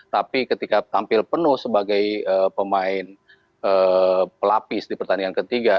tapi ketika tampil penuh sebagai pemain pelapis di pertandingan ketiga